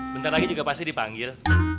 bentar lagi juga pasti dipanggil